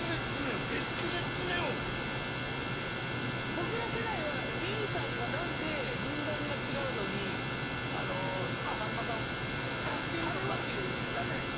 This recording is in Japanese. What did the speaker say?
僕ら世代はＢさんが何で軍団が違うのにさんまさんを慕ってるのかっていうのがちゃうねん